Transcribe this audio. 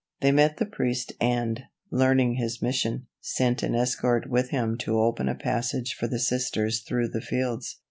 They met the priest and, learning his mission, sent an escort with him to open a passage for the Sisters through the fields.